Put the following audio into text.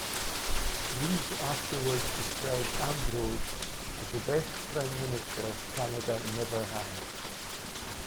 Reid afterward described Ambrose as the best prime minister Canada never had.